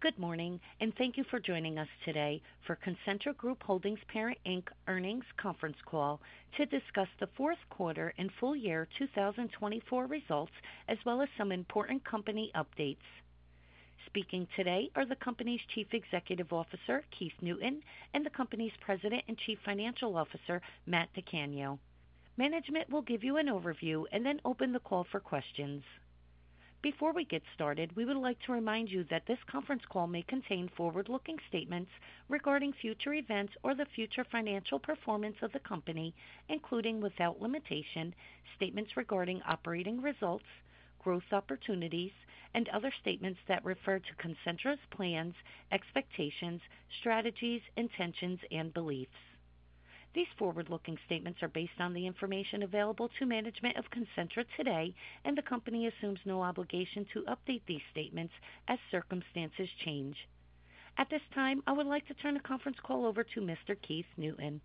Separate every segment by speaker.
Speaker 1: Good morning, and thank you for joining us today for Concentra Group Holdings Parent Inc. earnings conference call to discuss the fourth quarter and full year 2024 results, as well as some important company updates. Speaking today are the company's Chief Executive Officer, Keith Newton, and the company's President and Chief Financial Officer, Matt DiCanio. Management will give you an overview and then open the call for questions. Before we get started, we would like to remind you that this conference call may contain forward-looking statements regarding future events or the future financial performance of the company, including without limitation, statements regarding operating results, growth opportunities, and other statements that refer to Concentra's plans, expectations, strategies, intentions, and beliefs. These forward-looking statements are based on the information available to management of Concentra today, and the company assumes no obligation to update these statements as circumstances change.
Speaker 2: At this time, I would like to turn the conference call over to Mr. Keith Newton.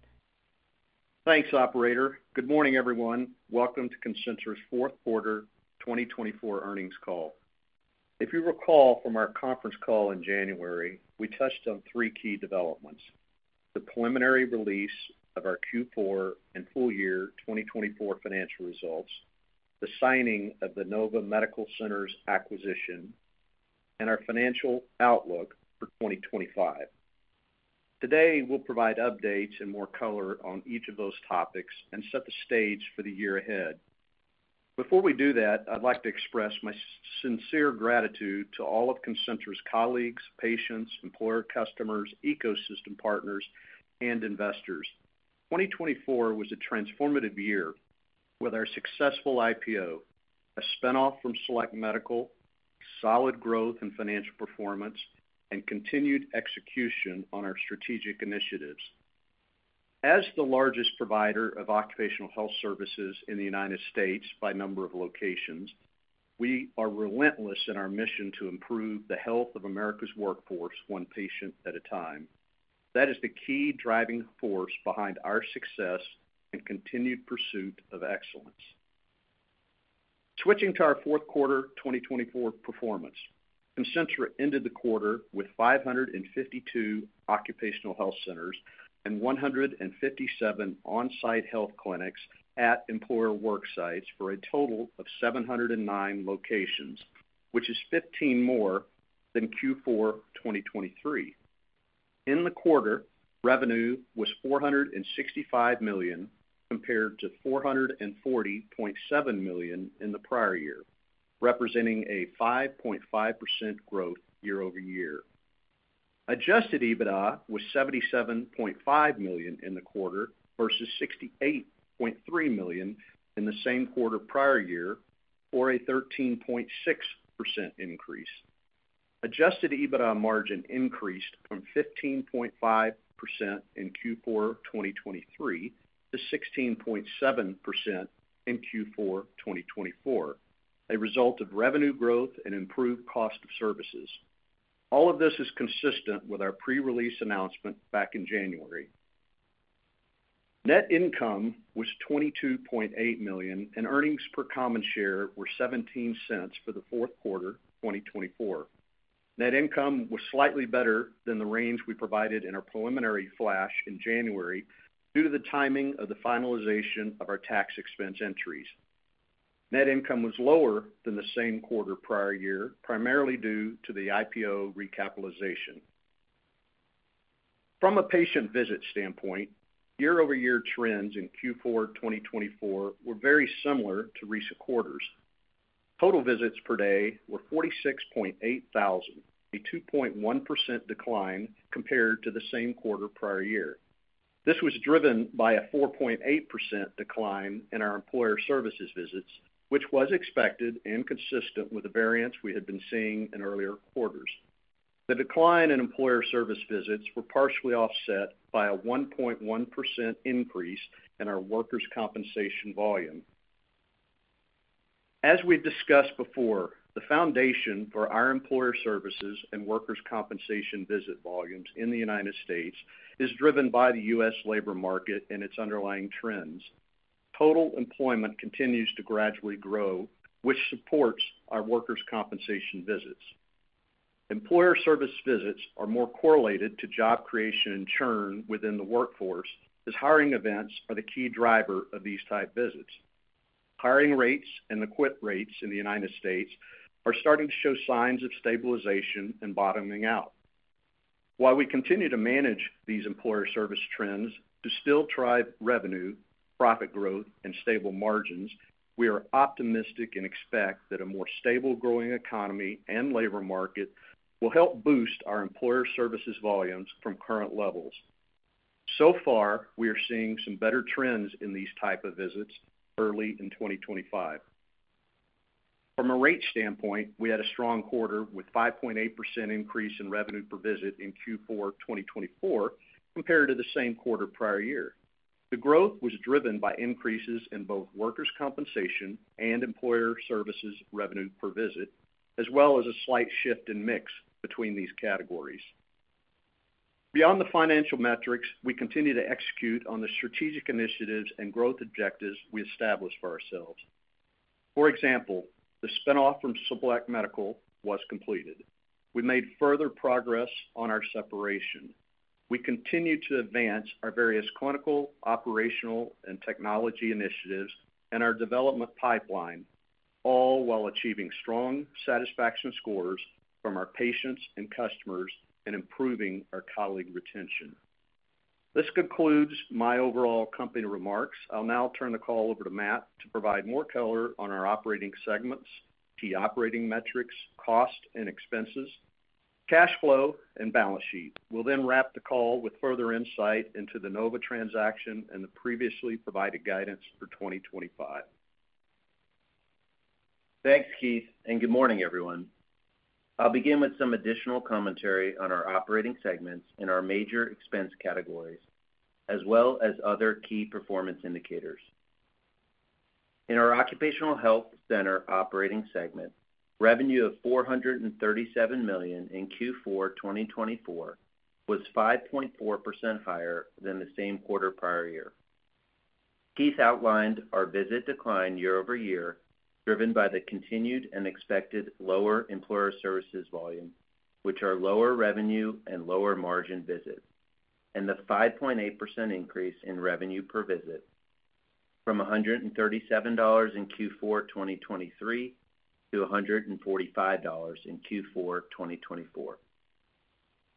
Speaker 3: Thanks, Operator. Good morning, everyone. Welcome to Concentra's fourth quarter 2024 earnings call. If you recall from our conference call in January, we touched on three key developments: the preliminary release of our Q4 and full year 2024 financial results, the signing of the Nova Medical Centers' acquisition, and our financial outlook for 2025. Today, we'll provide updates and more color on each of those topics and set the stage for the year ahead. Before we do that, I'd like to express my sincere gratitude to all of Concentra's colleagues, patients, employer customers, ecosystem partners, and investors. 2024 was a transformative year with our successful IPO, a spinoff from Select Medical, solid growth in financial performance, and continued execution on our strategic initiatives. As the largest provider of occupational health services in the United States by number of locations, we are relentless in our mission to improve the health of America's workforce one patient at a time. That is the key driving force behind our success and continued pursuit of excellence. Switching to our fourth quarter 2024 performance, Concentra ended the quarter with 552 Occupational Health Centers and 157 on-site health clinics at employer work sites for a total of 709 locations, which is 15 more than Q4 2023. In the quarter, revenue was $465 million compared to $440.7 million in the prior year, representing a 5.5% growth year over year. Adjusted EBITDA was $77.5 million in the quarter versus $68.3 million in the same quarter prior year, or a 13.6% increase. Adjusted EBITDA margin increased from 15.5% in Q4 2023 to 16.7% in Q4 2024, a result of revenue growth and improved cost of services. All of this is consistent with our pre-release announcement back in January. Net income was $22.8 million, and earnings per common share were $0.17 for the fourth quarter 2024. Net income was slightly better than the range we provided in our preliminary flash in January due to the timing of the finalization of our tax expense entries. Net income was lower than the same quarter prior year, primarily due to the IPO recapitalization. From a patient visit standpoint, year-over-year trends in Q4 2024 were very similar to recent quarters. Total visits per day were 46.8 thousand, a 2.1% decline compared to the same quarter prior year. This was driven by a 4.8% decline in our Employer Services visits, which was expected and consistent with the variance we had been seeing in earlier quarters. The decline in employer service visits was partially offset by a 1.1% increase in our Workers' Compensation volume. As we've discussed before, the foundation for our Employer Services and Workers' Compensation visit volumes in the United States is driven by the U.S. labor market and its underlying trends. Total employment continues to gradually grow, which supports our Workers' Compensation visits. Employer service visits are more correlated to job creation and churn within the workforce, as hiring events are the key driver of these type visits. Hiring rates and quit rates in the United States are starting to show signs of stabilization and bottoming out. While we continue to manage these employer service trends to still drive revenue, profit growth, and stable margins, we are optimistic and expect that a more stable growing economy and labor market will help boost our Employer Services volumes from current levels. So far, we are seeing some better trends in these type of visits early in 2025. From a rate standpoint, we had a strong quarter with a 5.8% increase in revenue per visit in Q4 2024 compared to the same quarter prior year. The growth was driven by increases in both Workers' Compensation and Employer Services revenue per visit, as well as a slight shift in mix between these categories. Beyond the financial metrics, we continue to execute on the strategic initiatives and growth objectives we established for ourselves. For example, the spinoff from Select Medical was completed. We made further progress on our separation. We continue to advance our various clinical, operational, and technology initiatives in our development pipeline, all while achieving strong satisfaction scores from our patients and customers and improving our colleague retention. This concludes my overall company remarks. I'll now turn the call over to Matt to provide more color on our operating segments, key operating metrics, cost and expenses, cash flow, and balance sheet. We'll then wrap the call with further insight into the Nova transaction and the previously provided guidance for 2025.
Speaker 4: Thanks, Keith, and good morning, everyone. I'll begin with some additional commentary on our operating segments in our major expense categories, as well as other key performance indicators. In our Occupational Health Center operating segment, revenue of $437 million in Q4 2024 was 5.4% higher than the same quarter prior year. Keith outlined our visit decline year over year, driven by the continued and expected lower Employer Services volume, which are lower revenue and lower margin visits, and the 5.8% increase in revenue per visit from $137 in Q4 2023 to $145 in Q4 2024.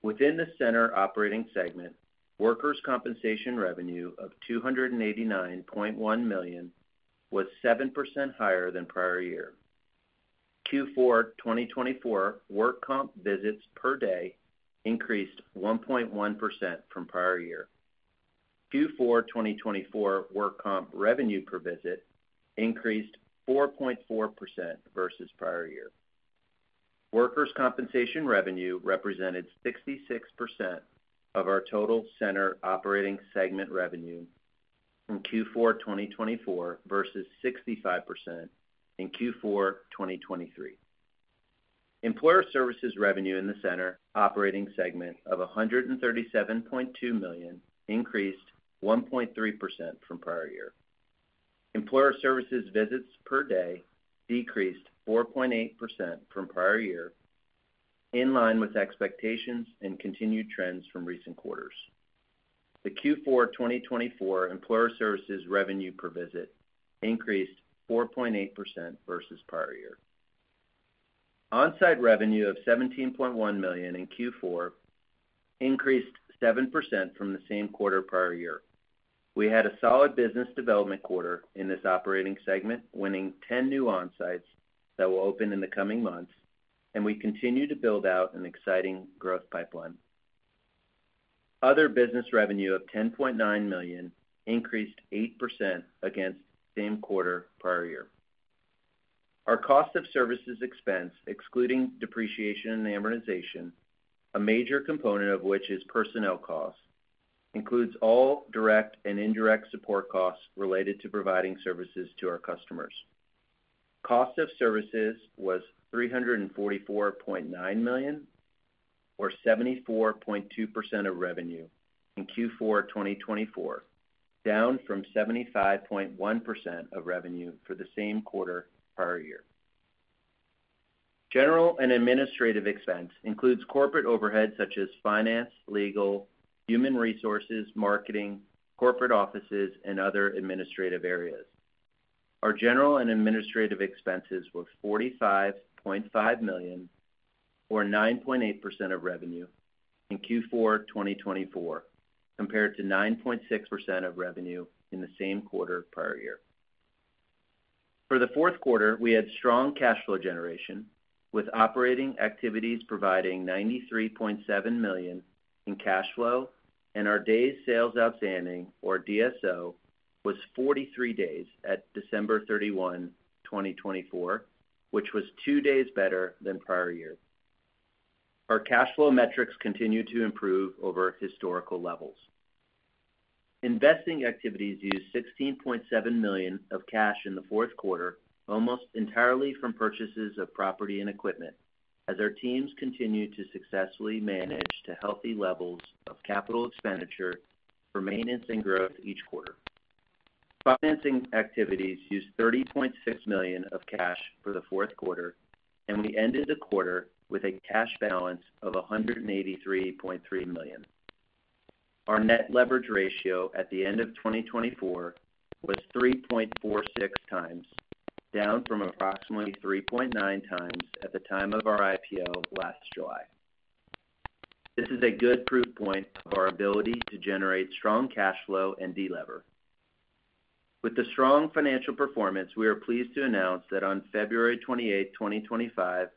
Speaker 4: Within the center operating segment, Workers' Compensation revenue of $289.1 million was 7% higher than prior year. Q4 2024 work comp visits per day increased 1.1% from prior year. Q4 2024 work comp revenue per visit increased 4.4% versus prior year. Workers' Compensation revenue represented 66% of our total center operating segment revenue in Q4 2024 versus 65% in Q4 2023. Employer Services revenue in the center operating segment of $137.2 million increased 1.3% from prior year. Employer Services visits per day decreased 4.8% from prior year, in line with expectations and continued trends from recent quarters. The Q4 2024 Employer Services revenue per visit increased 4.8% versus prior year. On-site revenue of $17.1 million in Q4 increased 7% from the same quarter prior year. We had a solid business development quarter in this operating segment, winning 10 new on-sites that will open in the coming months, and we continue to build out an exciting growth pipeline. Other business revenue of $10.9 million increased 8% against the same quarter prior year. Our cost of services expense, excluding depreciation and amortization, a major component of which is personnel costs, includes all direct and indirect support costs related to providing services to our customers. Cost of services was $344.9 million, or 74.2% of revenue in Q4 2024, down from 75.1% of revenue for the same quarter prior year. General and administrative expense includes corporate overhead such as finance, legal, human resources, marketing, corporate offices, and other administrative areas. Our general and administrative expenses were $45.5 million, or 9.8% of revenue in Q4 2024, compared to 9.6% of revenue in the same quarter prior year. For the fourth quarter, we had strong cash flow generation, with operating activities providing $93.7 million in cash flow, and our Days Sales Outstanding, or DSO, was 43 days at December 31, 2024, which was two days better than prior year. Our cash flow metrics continue to improve over historical levels. Investing activities used $16.7 million of cash in the fourth quarter, almost entirely from purchases of property and equipment, as our teams continue to successfully manage to healthy levels of capital expenditure for maintenance and growth each quarter. Financing activities used $30.6 million of cash for the fourth quarter, and we ended the quarter with a cash balance of $183.3 million. Our net leverage ratio at the end of 2024 was 3.46 times, down from approximately 3.9 times at the time of our IPO last July. This is a good proof point of our ability to generate strong cash flow and de-lever. With the strong financial performance, we are pleased to announce that on February 28, 2025,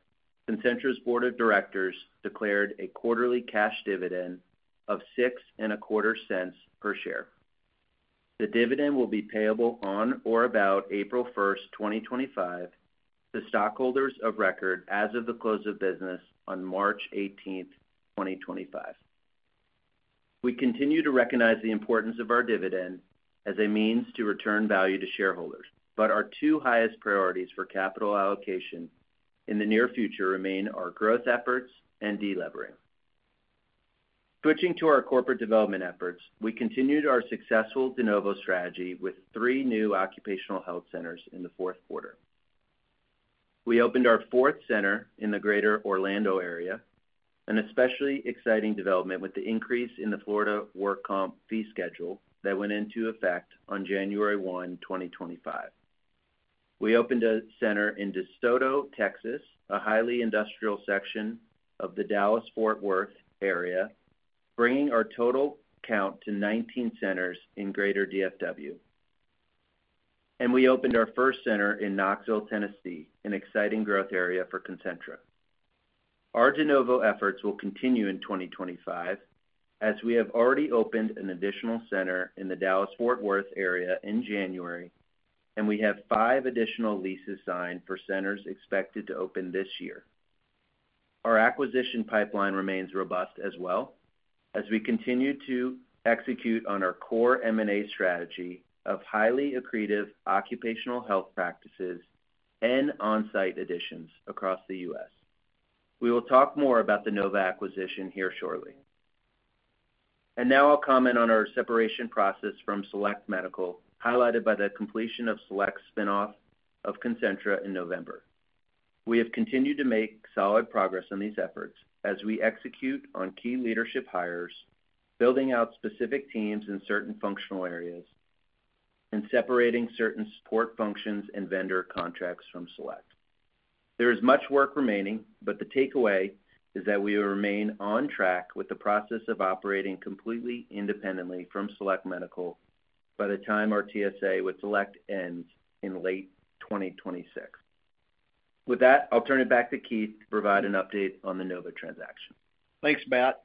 Speaker 4: Concentra's Board of Directors declared a quarterly cash dividend of $0.0625 per share. The dividend will be payable on or about April 1, 2025, to stockholders of record as of the close of business on March 18, 2025. We continue to recognize the importance of our dividend as a means to return value to shareholders, but our two highest priorities for capital allocation in the near future remain our growth efforts and de-levering. Switching to our corporate development efforts, we continued our successful de novo strategy with three new Occupational Health Centers in the fourth quarter. We opened our fourth center in the greater Orlando area, an especially exciting development with the increase in the Florida work comp fee schedule that went into effect on January 1, 2025. We opened a center in DeSoto, Texas, a highly industrial section of the Dallas-Fort Worth area, bringing our total count to 19 centers in greater DFW. And we opened our first center in Knoxville, Tennessee, an exciting growth area for Concentra. Our de novo efforts will continue in 2025, as we have already opened an additional center in the Dallas-Fort Worth area in January, and we have five additional leases signed for centers expected to open this year. Our acquisition pipeline remains robust as well, as we continue to execute on our core M&A strategy of highly accretive occupational health practices and on-site additions across the U.S. We will talk more about the Nova acquisition here shortly. And now I'll comment on our separation process from Select Medical, highlighted by the completion of Select's spinoff of Concentra in November. We have continued to make solid progress on these efforts as we execute on key leadership hires, building out specific teams in certain functional areas, and separating certain support functions and vendor contracts from Select. There is much work remaining, but the takeaway is that we will remain on track with the process of operating completely independently from Select Medical by the time our TSA with Select ends in late 2026. With that, I'll turn it back to Keith to provide an update on the Nova transaction.
Speaker 3: Thanks, Matt.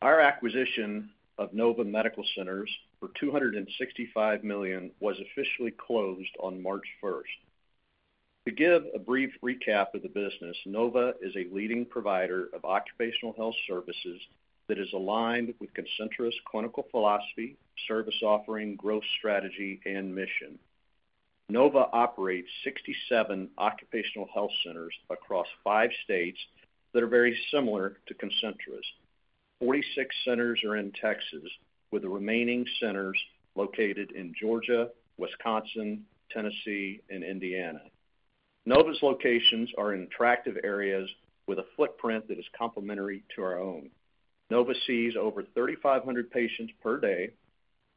Speaker 3: Our acquisition of Nova Medical Centers for $265 million was officially closed on March 1. To give a brief recap of the business, Nova is a leading provider of occupational health services that is aligned with Concentra's clinical philosophy, service offering, growth strategy, and mission. Nova operates 67 Occupational Health Centers across five states that are very similar to Concentra's. 46 centers are in Texas, with the remaining centers located in Georgia, Wisconsin, Tennessee, and Indiana. Nova's locations are in attractive areas with a footprint that is complementary to our own. Nova sees over 3,500 patients per day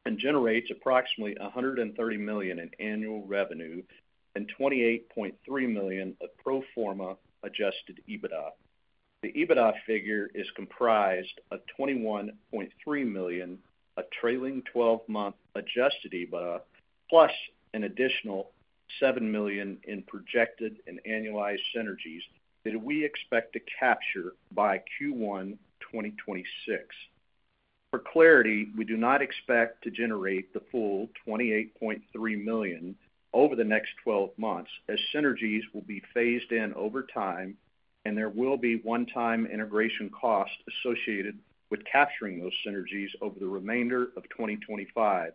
Speaker 3: and generates approximately $130 million in annual revenue and $28.3 million of pro forma adjusted EBITDA. The EBITDA figure is comprised of $21.3 million, a trailing 12-month adjusted EBITDA, plus an additional $7 million in projected and annualized synergies that we expect to capture by Q1 2026. For clarity, we do not expect to generate the full $28.3 million over the next 12 months, as synergies will be phased in over time, and there will be one-time integration costs associated with capturing those synergies over the remainder of 2025.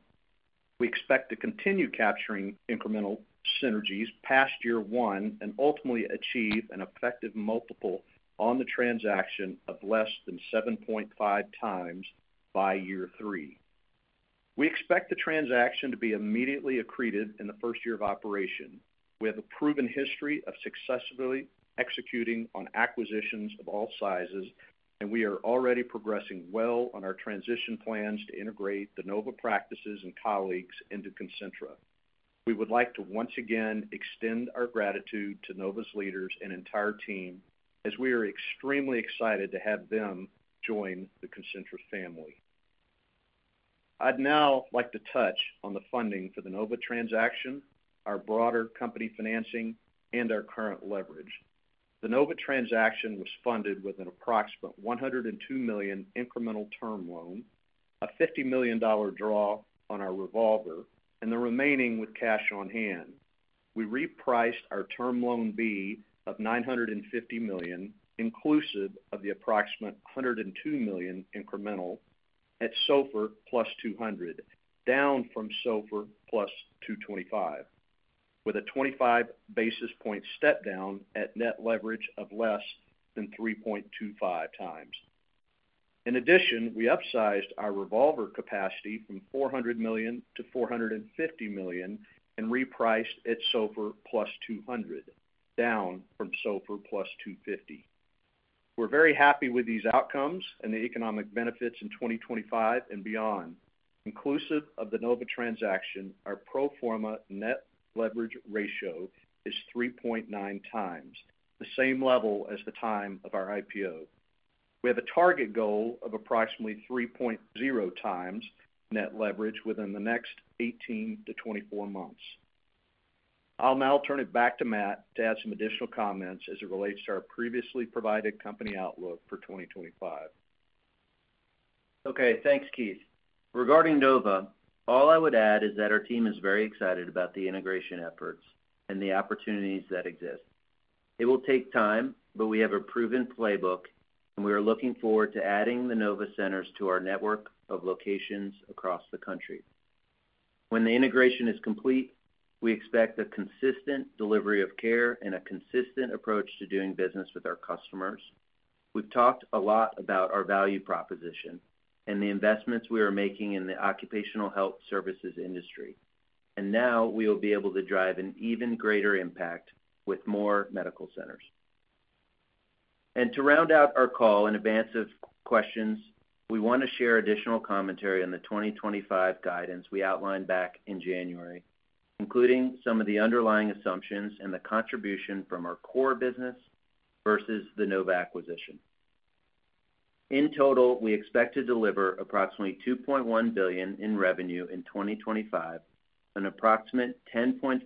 Speaker 3: We expect to continue capturing incremental synergies past year one and ultimately achieve an effective multiple on the transaction of less than 7.5 times by year three. We expect the transaction to be immediately accretive in the first year of operation. We have a proven history of successfully executing on acquisitions of all sizes, and we are already progressing well on our transition plans to integrate the Nova practices and colleagues into Concentra. We would like to once again extend our gratitude to Nova's leaders and entire team, as we are extremely excited to have them join the Concentra family. I'd now like to touch on the funding for the Nova transaction, our broader company financing, and our current leverage. The Nova transaction was funded with an approximate $102 million incremental term loan, a $50 million draw on our revolver, and the remaining with cash on hand. We repriced our Term Loan B of $950 million, inclusive of the approximate $102 million incremental at SOFR plus 200, down from SOFR plus 225, with a 25 basis point step down at net leverage of less than 3.25 times. In addition, we upsized our revolver capacity from $400 million to $450 million and repriced at SOFR plus 200, down from SOFR plus 250. We're very happy with these outcomes and the economic benefits in 2025 and beyond. Inclusive of the Nova transaction, our pro forma net leverage ratio is 3.9 times, the same level as the time of our IPO. We have a target goal of approximately 3.0 times net leverage within the next 18-24 months. I'll now turn it back to Matt to add some additional comments as it relates to our previously provided company outlook for 2025.
Speaker 4: Okay, thanks, Keith. Regarding Nova, all I would add is that our team is very excited about the integration efforts and the opportunities that exist. It will take time, but we have a proven playbook, and we are looking forward to adding the Nova centers to our network of locations across the country. When the integration is complete, we expect a consistent delivery of care and a consistent approach to doing business with our customers. We've talked a lot about our value proposition and the investments we are making in the occupational health services industry, and now we will be able to drive an even greater impact with more medical centers. To round out our call in advance of questions, we want to share additional commentary on the 2025 guidance we outlined back in January, including some of the underlying assumptions and the contribution from our core business versus the Nova acquisition. In total, we expect to deliver approximately $2.1 billion in revenue in 2025, an approximate 10.5%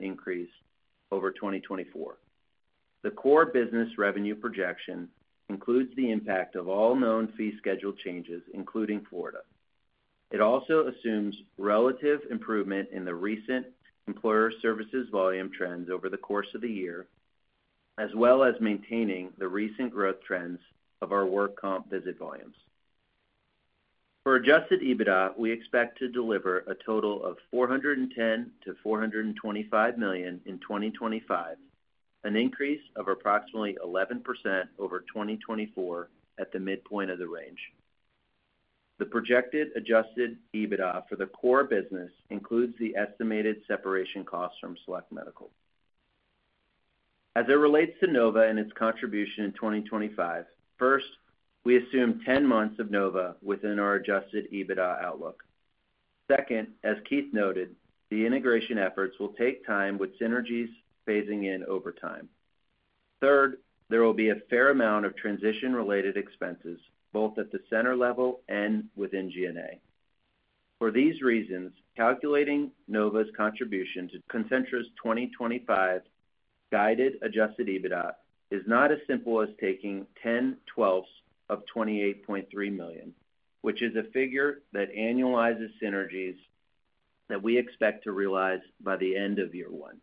Speaker 4: increase over 2024. The core business revenue projection includes the impact of all known fee schedule changes, including Florida. It also assumes relative improvement in the recent Employer Services volume trends over the course of the year, as well as maintaining the recent growth trends of our work comp visit volumes. For Adjusted EBITDA, we expect to deliver a total of $410 million-$425 million in 2025, an increase of approximately 11% over 2024 at the midpoint of the range. The projected Adjusted EBITDA for the core business includes the estimated separation costs from Select Medical. As it relates to Nova and its contribution in 2025, first, we assume 10 months of Nova within our Adjusted EBITDA outlook. Second, as Keith noted, the integration efforts will take time with synergies phasing in over time. Third, there will be a fair amount of transition-related expenses, both at the center level and within G&A. For these reasons, calculating Nova's contribution to Concentra's 2025 guided Adjusted EBITDA is not as simple as taking 10 twelfths of $28.3 million, which is a figure that annualizes synergies that we expect to realize by the end of year one.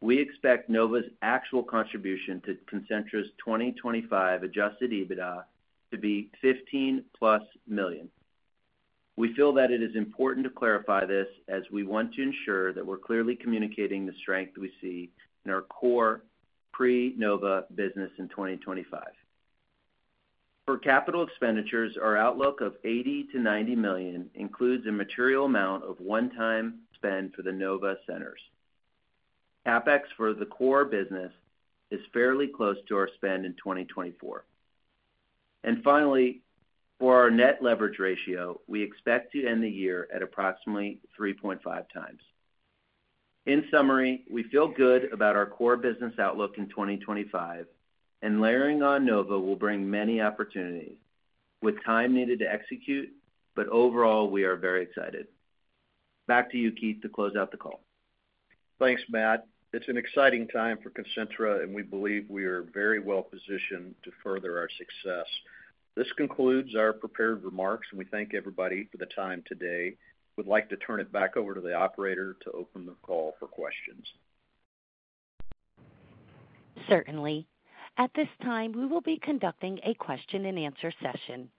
Speaker 4: We expect Nova's actual contribution to Concentra's 2025 Adjusted EBITDA to be $15+ million. We feel that it is important to clarify this as we want to ensure that we're clearly communicating the strength we see in our core pre-Nova business in 2025. For capital expenditures, our outlook of $80 million-$90 million includes a material amount of one-time spend for the Nova centers. CapEx for the core business is fairly close to our spend in 2024. And finally, for our net leverage ratio, we expect to end the year at approximately 3.5 times. In summary, we feel good about our core business outlook in 2025, and layering on Nova will bring many opportunities with time needed to execute, but overall, we are very excited. Back to you, Keith, to close out the call.
Speaker 3: Thanks, Matt. It's an exciting time for Concentra, and we believe we are very well positioned to further our success. This concludes our prepared remarks, and we thank everybody for the time today. We'd like to turn it back over to the operator to open the call for questions.
Speaker 1: Certainly. At this time, we will be conducting a question-and-answer session.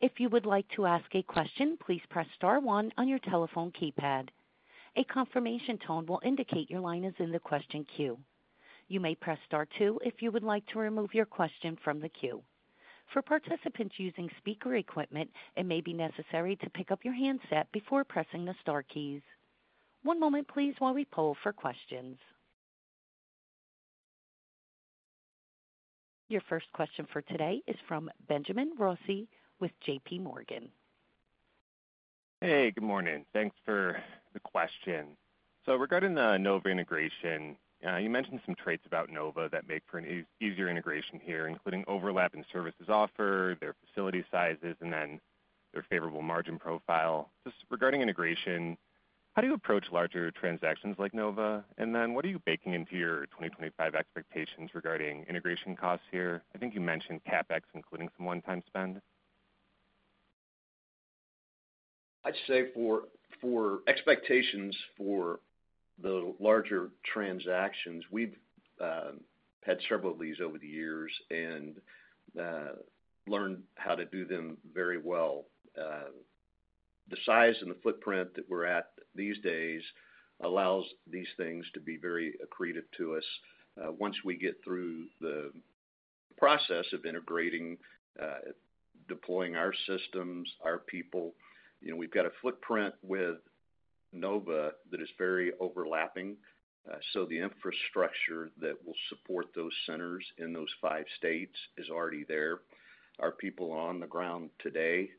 Speaker 1: If you would like to ask a question, please press star one on your telephone keypad. A confirmation tone will indicate your line is in the question queue. You may press star two if you would like to remove your question from the queue. For participants using speaker equipment, it may be necessary to pick up your handset before pressing the star keys. One moment, please, while we poll for questions. Your first question for today is from Benjamin Rossi with J.P. Morgan.
Speaker 5: Hey, good morning. Thanks for the question. So regarding the Nova integration, you mentioned some traits about Nova that make for an easier integration here, including overlap in services offered, their facility sizes, and then their favorable margin profile. Just regarding integration, how do you approach larger transactions like Nova? And then what are you baking into your 2025 expectations regarding integration costs here? I think you mentioned CapEx, including some one-time spend.
Speaker 3: I'd say for expectations for the larger transactions, we've had several of these over the years and learned how to do them very well. The size and the footprint that we're at these days allows these things to be very accretive to us. Once we get through the process of integrating, deploying our systems, our people, we've got a footprint with Nova that is very overlapping. So the infrastructure that will support those centers in those five states is already there. Our people are on the ground today.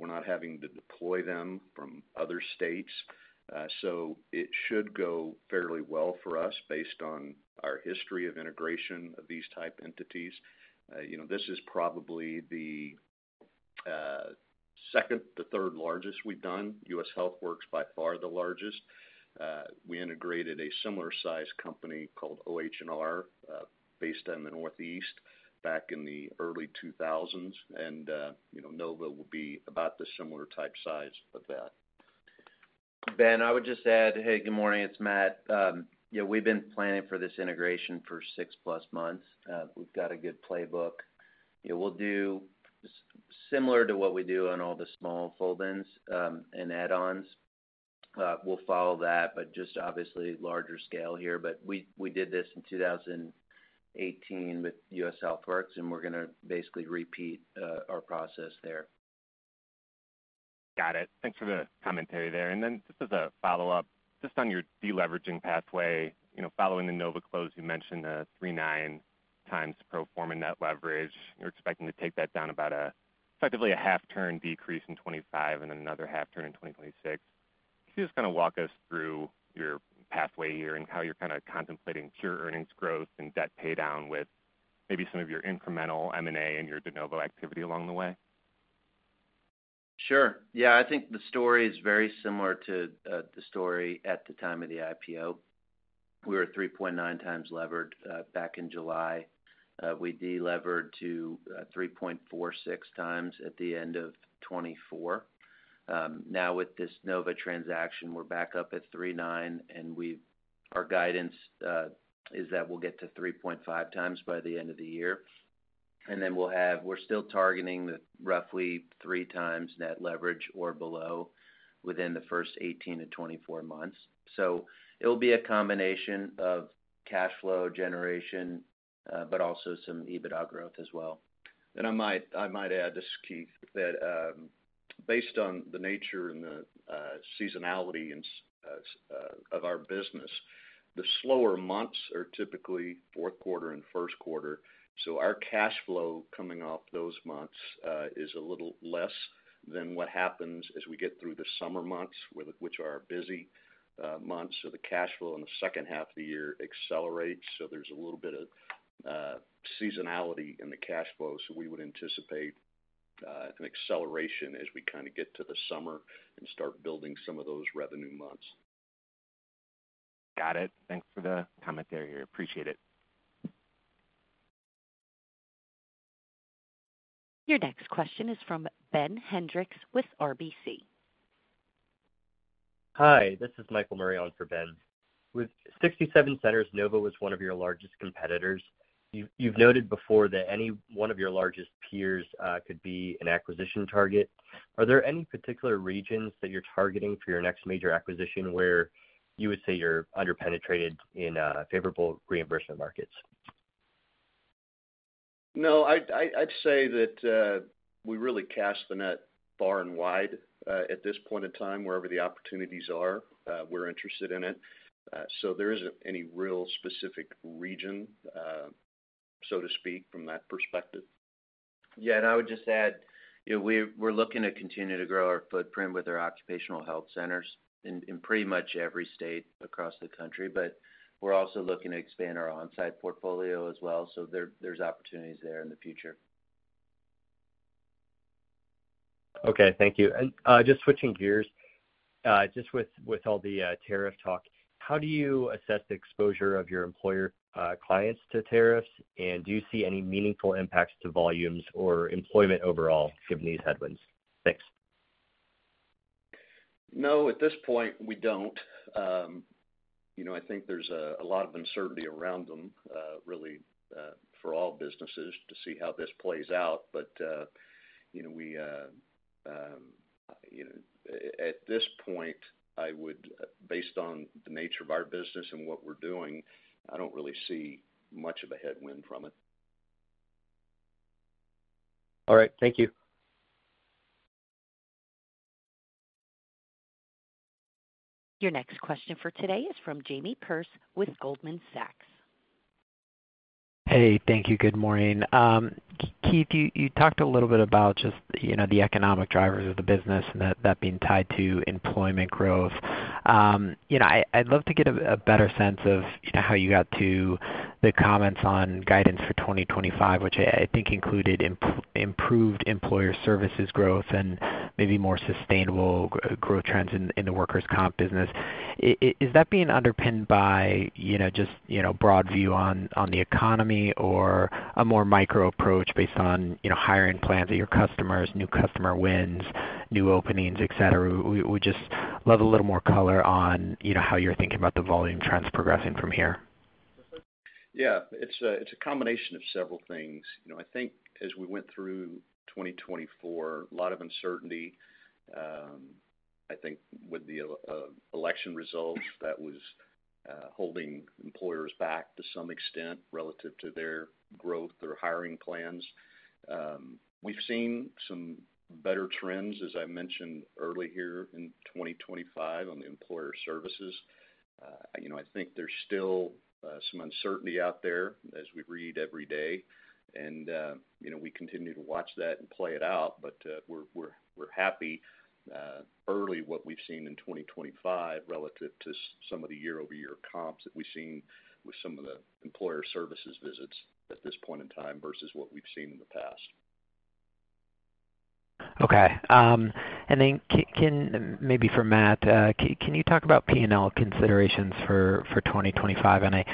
Speaker 3: We're not having to deploy them from other states. So it should go fairly well for us based on our history of integration of these type entities. This is probably the second to third largest we've done. U.S. HealthWorks, by far, the largest. We integrated a similar-sized company called OH&R based in the Northeast back in the early 2000s, and Nova will be about the similar type size of that.
Speaker 4: Ben, I would just add, hey, good morning. It's Matt. We've been planning for this integration for six-plus months. We've got a good playbook. We'll do similar to what we do on all the small fold-ins and add-ons. We'll follow that, but just obviously larger scale here. But we did this in 2018 with U.S. HealthWorks, and we're going to basically repeat our process there.
Speaker 5: Got it. Thanks for the commentary there. And then just as a follow-up, just on your deleveraging pathway, following the Nova close, you mentioned 3.9 times pro forma net leverage. You're expecting to take that down about effectively a half-turn decrease in 2025 and then another half-turn in 2026. Can you just kind of walk us through your pathway here and how you're kind of contemplating pure earnings growth and debt paydown with maybe some of your incremental M&A and your de novo activity along the way?
Speaker 4: Sure. Yeah, I think the story is very similar to the story at the time of the IPO. We were 3.9 times levered back in July. We delevered to 3.46 times at the end of 2024. Now, with this Nova transaction, we're back up at 3.9, and our guidance is that we'll get to 3.5 times by the end of the year, and then we're still targeting roughly three times net leverage or below within the first 18 to 24 months, so it'll be a combination of cash flow generation, but also some EBITDA growth as well.
Speaker 3: I might add this, Keith, that based on the nature and the seasonality of our business, the slower months are typically fourth quarter and first quarter. So our cash flow coming off those months is a little less than what happens as we get through the summer months, which are our busy months. So the cash flow in the second half of the year accelerates. So there's a little bit of seasonality in the cash flow. So we would anticipate an acceleration as we kind of get to the summer and start building some of those revenue months.
Speaker 5: Got it. Thanks for the commentary here. Appreciate it.
Speaker 1: Your next question is from Ben Hendricks with RBC.
Speaker 6: Hi, this is Michael Morrien for Ben. With 67 centers, Nova was one of your largest competitors. You've noted before that any one of your largest peers could be an acquisition target. Are there any particular regions that you're targeting for your next major acquisition where you would say you're under-penetrated in favorable reimbursement markets?
Speaker 3: No, I'd say that we really cast the net far and wide at this point in time, wherever the opportunities are. We're interested in it. So there isn't any real specific region, so to speak, from that perspective.
Speaker 4: Yeah, and I would just add we're looking to continue to grow our footprint with our Occupational Health Centers in pretty much every state across the country, but we're also looking to expand our on-site portfolio as well. So there's opportunities there in the future.
Speaker 5: Okay, thank you. And just switching gears, just with all the tariff talk, how do you assess the exposure of your employer clients to tariffs, and do you see any meaningful impacts to volumes or employment overall given these headwinds? Thanks.
Speaker 3: No, at this point, we don't. I think there's a lot of uncertainty around them, really, for all businesses to see how this plays out. But at this point, based on the nature of our business and what we're doing, I don't really see much of a headwind from it.
Speaker 5: All right, thank you.
Speaker 1: Your next question for today is from Jamie Perse with Goldman Sachs.
Speaker 7: Hey, thank you. Good morning. Keith, you talked a little bit about just the economic drivers of the business and that being tied to employment growth. I'd love to get a better sense of how you got to the comments on guidance for 2025, which I think included improved Employer Services growth and maybe more sustainable growth trends in the workers' comp business. Is that being underpinned by just a broad view on the economy or a more micro approach based on hiring plans at your customers, new customer wins, new openings, etc.? We'd just love a little more color on how you're thinking about the volume trends progressing from here.
Speaker 3: Yeah, it's a combination of several things. I think as we went through 2024, a lot of uncertainty. I think with the election results, that was holding employers back to some extent relative to their growth or hiring plans. We've seen some better trends, as I mentioned earlier here in 2025, on the Employer Services. I think there's still some uncertainty out there as we read every day, and we continue to watch that and play it out, but we're happy early what we've seen in 2025 relative to some of the year-over-year comps that we've seen with some of the Employer Services visits at this point in time versus what we've seen in the past.
Speaker 7: Okay. And then maybe for Matt, can you talk about P&L considerations for 2025? And I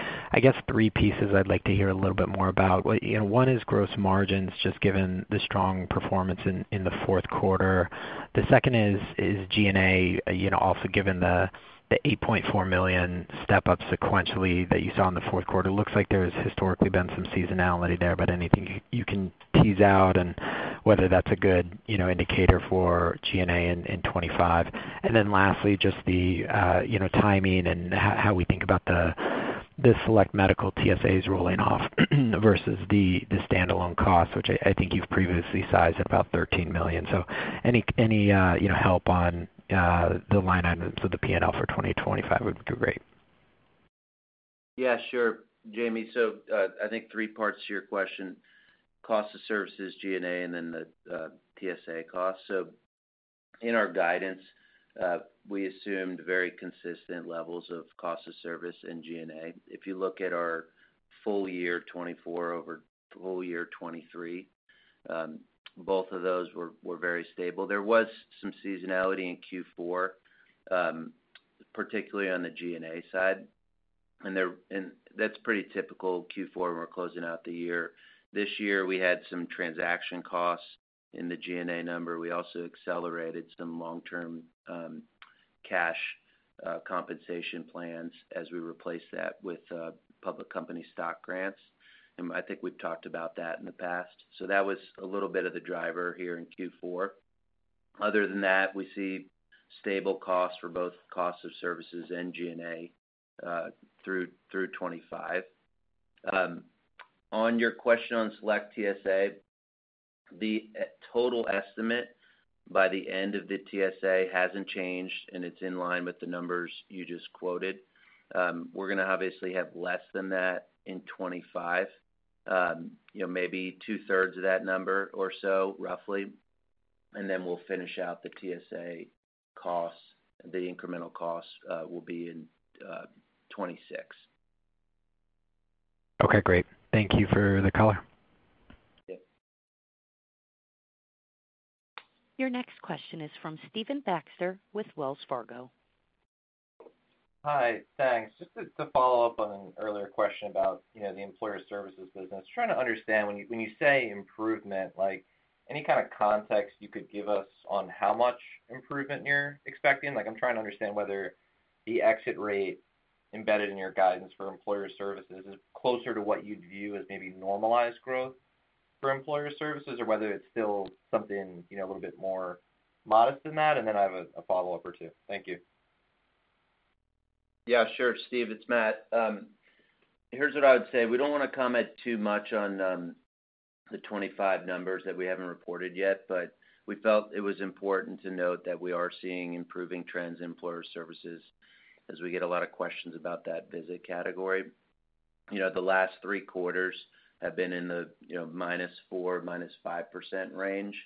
Speaker 7: guess three pieces I'd like to hear a little bit more about. One is gross margins just given the strong performance in the fourth quarter. The second is G&A, also given the $8.4 million step-up sequentially that you saw in the fourth quarter. It looks like there has historically been some seasonality there, but anything you can tease out and whether that's a good indicator for G&A in 2025. And then lastly, just the timing and how we think about the Select Medical TSAs rolling off versus the standalone costs, which I think you've previously sized at about $13 million. So any help on the line items of the P&L for 2025 would be great.
Speaker 4: Yeah, sure. Jamie, so I think three parts to your question: cost of services, G&A, and then the TSA costs. So in our guidance, we assumed very consistent levels of cost of service and G&A. If you look at our full year 2024 over full year 2023, both of those were very stable. There was some seasonality in Q4, particularly on the G&A side, and that's pretty typical Q4 when we're closing out the year. This year, we had some transaction costs in the G&A number. We also accelerated some long-term cash compensation plans as we replaced that with public company stock grants, and I think we've talked about that in the past. So that was a little bit of the driver here in Q4. Other than that, we see stable costs for both cost of services and G&A through 2025. On your question on Select TSA, the total estimate by the end of the TSA hasn't changed, and it's in line with the numbers you just quoted. We're going to obviously have less than that in 2025, maybe two-thirds of that number or so, roughly. And then we'll finish out the TSA costs. The incremental costs will be in 2026.
Speaker 7: Okay, great. Thank you for the color.
Speaker 1: Your next question is from Stephen Baxter with Wells Fargo.
Speaker 8: Hi, thanks. Just to follow up on an earlier question about the Employer Services business, trying to understand when you say improvement, any kind of context you could give us on how much improvement you're expecting. I'm trying to understand whether the exit rate embedded in your guidance for Employer Services is closer to what you'd view as maybe normalized growth for Employer Services or whether it's still something a little bit more modest than that. And then I have a follow-up or two. Thank you.
Speaker 4: Yeah, sure. Steve, it's Matt. Here's what I would say. We don't want to comment too much on the 2025 numbers that we haven't reported yet, but we felt it was important to note that we are seeing improving trends in Employer Services as we get a lot of questions about that visit category. The last three quarters have been in the -4% to -5% range,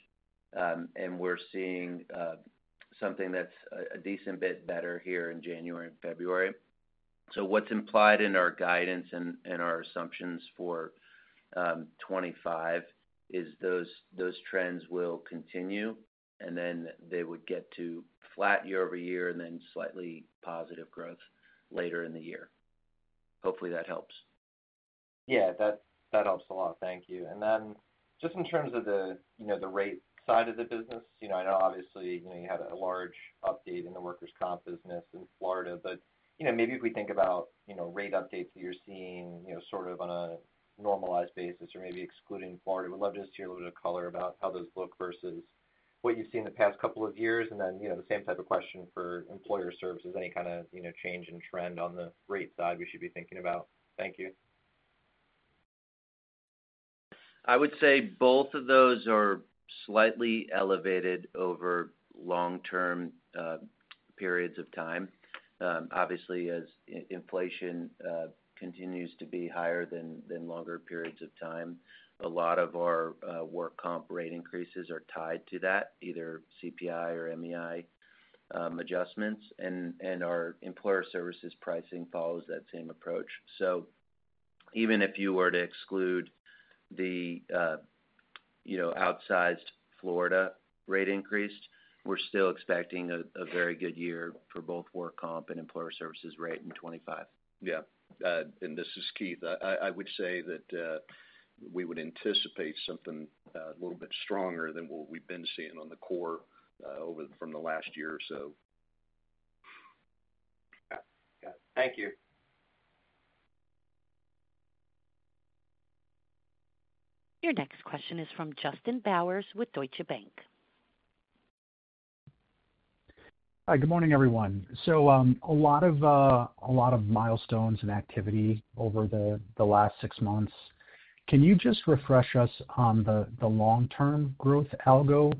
Speaker 4: and we're seeing something that's a decent bit better here in January and February. What's implied in our guidance and our assumptions for 2025 is those trends will continue, and then they would get to flat year-over-year and then slightly positive growth later in the year. Hopefully, that helps.
Speaker 8: Yeah, that helps a lot. Thank you. And then just in terms of the rate side of the business, I know obviously you had a large update in the workers' comp business in Florida, but maybe if we think about rate updates that you're seeing sort of on a normalized basis or maybe excluding Florida, we'd love just to hear a little bit of color about how those look versus what you've seen the past couple of years. And then the same type of question for Employer Services, any kind of change in trend on the rate side we should be thinking about. Thank you.
Speaker 4: I would say both of those are slightly elevated over long-term periods of time. Obviously, as inflation continues to be higher than longer periods of time, a lot of our work comp rate increases are tied to that, either CPI or MEI adjustments. And our Employer Services pricing follows that same approach. So even if you were to exclude the outsized Florida rate increase, we're still expecting a very good year for both work comp and Employer Services rate in 2025.
Speaker 3: Yeah, and this is Keith. I would say that we would anticipate something a little bit stronger than what we've been seeing on the core from the last year or so.
Speaker 8: Got it. Thank you.
Speaker 1: Your next question is from Justin Bowers with Deutsche Bank.
Speaker 9: Hi, good morning, everyone. So a lot of milestones and activity over the last six months. Can you just refresh us on the long-term growth algo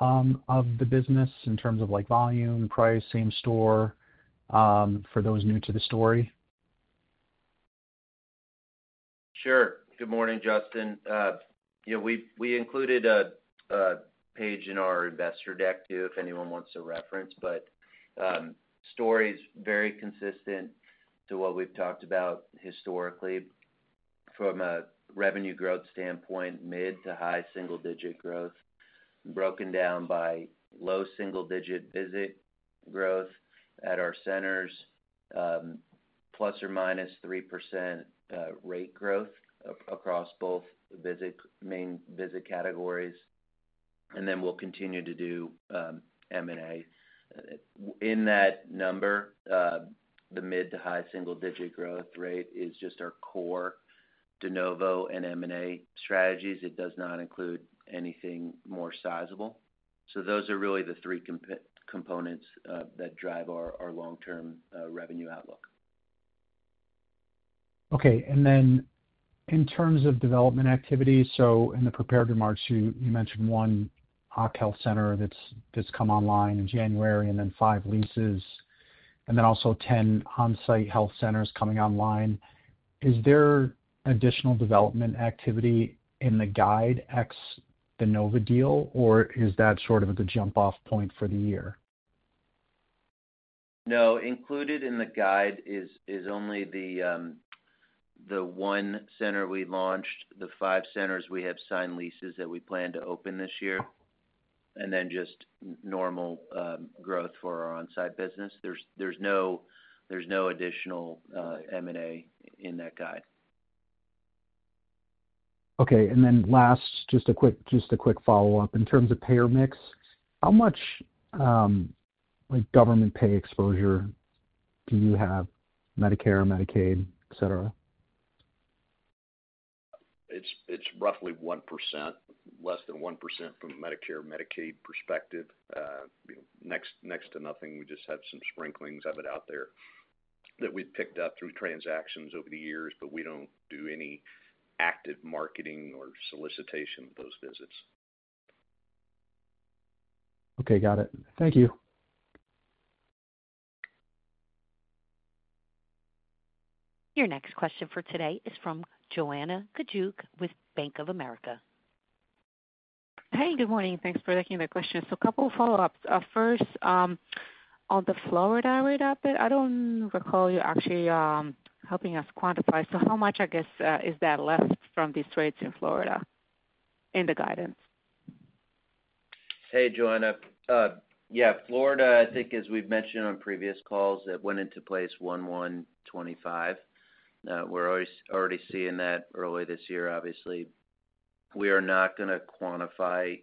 Speaker 9: of the business in terms of volume, price, same store for those new to the story?
Speaker 4: Sure. Good morning, Justin. We included a page in our investor deck too if anyone wants to reference, but the story is very consistent to what we've talked about historically from a revenue growth standpoint, mid- to high-single-digit growth, broken down by low-single-digit visit growth at our centers, plus or minus 3% rate growth across both main visit categories. And then we'll continue to do M&A. In that number, the mid- to high-single-digit growth rate is just our core de novo and M&A strategies. It does not include anything more sizable. So those are really the three components that drive our long-term revenue outlook.
Speaker 9: Okay. And then in terms of development activities, so in the prepared remarks, you mentioned one Occupational Health Center that's come online in January and then five leases, and then also 10 on-site health centers coming online. Is there additional development activity in the guide ex de novo deal, or is that sort of the jump-off point for the year?
Speaker 4: No. Included in the guide is only the one center we launched, the five centers we have signed leases that we plan to open this year, and then just normal growth for our on-site business. There's no additional M&A in that guide.
Speaker 9: Okay. And then last, just a quick follow-up. In terms of payer mix, how much government pay exposure do you have, Medicare, Medicaid, etc.?
Speaker 3: It's roughly 1%, less than 1% from a Medicare/Medicaid perspective. Next to nothing. We just have some sprinklings of it out there that we've picked up through transactions over the years, but we don't do any active marketing or solicitation of those visits.
Speaker 9: Okay. Got it. Thank you.
Speaker 1: Your next question for today is from Joanna Gajuk with Bank of America.
Speaker 2: Hey, good morning. Thanks for taking the question. So a couple of follow-ups. First, on the Florida rate update, I don't recall you actually helping us quantify. So how much, I guess, is that left from these rates in Florida in the guidance?
Speaker 4: Hey, Joanna. Yeah, Florida, I think, as we've mentioned on previous calls, it went into place 1/1/2025. We're already seeing that early this year, obviously. We are not going to quantify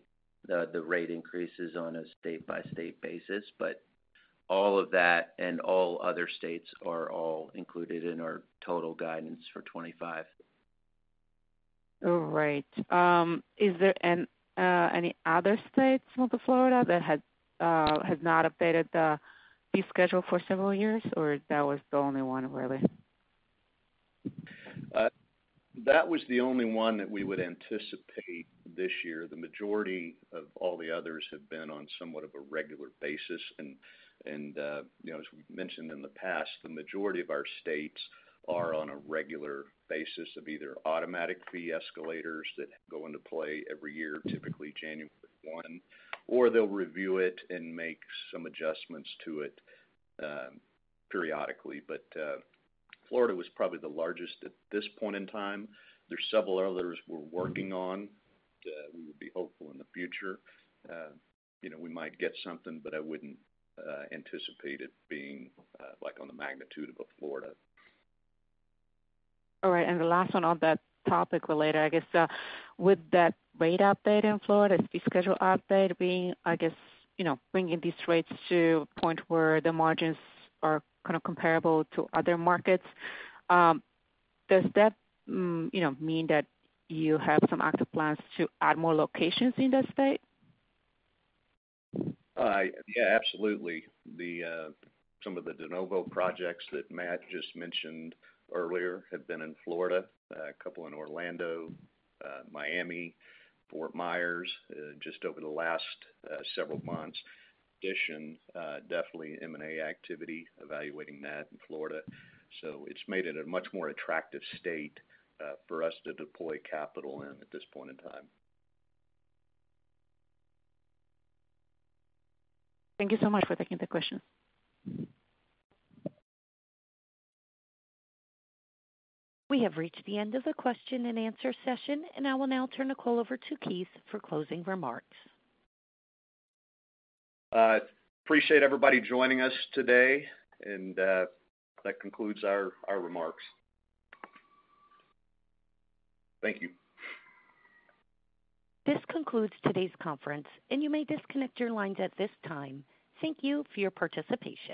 Speaker 4: the rate increases on a state-by-state basis, but all of that and all other states are all included in our total guidance for 2025.
Speaker 2: All right. Is there any other states of Florida that has not updated the fee schedule for several years, or that was the only one, really?
Speaker 3: That was the only one that we would anticipate this year. The majority of all the others have been on somewhat of a regular basis, and as we've mentioned in the past, the majority of our states are on a regular basis of either automatic fee escalators that go into play every year, typically January 1, or they'll review it and make some adjustments to it periodically, but Florida was probably the largest at this point in time. There's several others we're working on that we would be hopeful in the future. We might get something, but I wouldn't anticipate it being on the magnitude of a Florida.
Speaker 2: All right. And the last one on that topic related, I guess, with that rate update in Florida, is the schedule update being, I guess, bringing these rates to a point where the margins are kind of comparable to other markets? Does that mean that you have some active plans to add more locations in the state?
Speaker 3: Yeah, absolutely. Some of the de novo projects that Matt just mentioned earlier have been in Florida, a couple in Orlando, Miami, Fort Myers just over the last several months. In addition, definitely M&A activity evaluating that in Florida. So it's made it a much more attractive state for us to deploy capital in at this point in time.
Speaker 2: Thank you so much for taking the question.
Speaker 1: We have reached the end of the question and answer session, and I will now turn the call over to Keith for closing remarks.
Speaker 3: Appreciate everybody joining us today, and that concludes our remarks. Thank you.
Speaker 1: This concludes today's conference, and you may disconnect your lines at this time. Thank you for your participation.